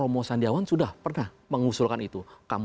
romo sandiawan sudah pernah mengusulkan itu